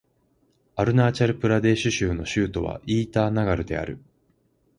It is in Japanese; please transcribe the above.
アルナーチャル・プラデーシュ州の州都はイーターナガルである